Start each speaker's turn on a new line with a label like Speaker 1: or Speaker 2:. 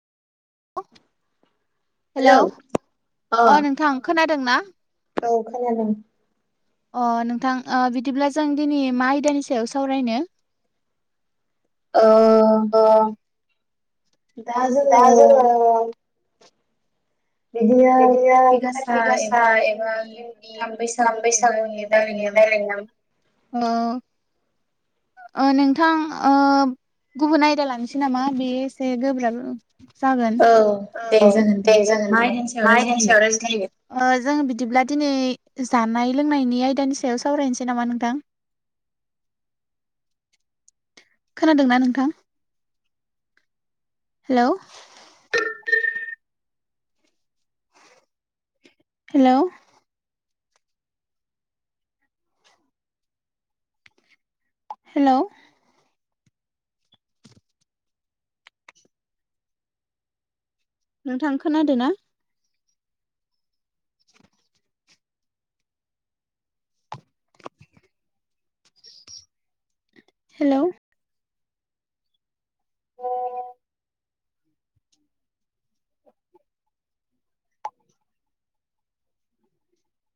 Speaker 1: Hello अ नोंथां खोनादों ना?
Speaker 2: औ खोनादों ।
Speaker 1: अ नोंथां ओ बिदिब्ला जों दिनै मा आयदानि सायाव सावरायनो? ओ दा जोङो बिदिनो कार्थि गासा एबा जोंनि बैसागुनि बारैयै रा रायलायनांगौ ओ अ नोंथां ओ गुबुन आयदा लानोसै नामा बे एसे गोब्राब जागोन औ दे जागोन दे मा आयदानि सायाव रायज्लायनो ओ जों बिदिब्ला दिनै जानाय लोंनायनि आयदानि सायाव सावरायनोसै नामा नोंथां? खोनादोंना नोंथां? हेलौ हेलौ हेलौ नोंथां खोनादो ना? हेलौ